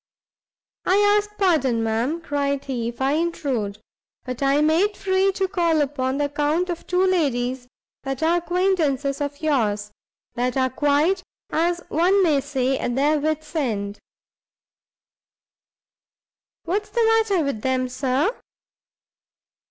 "I ask pardon, ma'am," cried he, "if I intrude; but I made free to call upon the account of two ladies that are acquaintances of yours, that are quite, as one may say, at their wit's ends." "What is the matter with them, Sir?"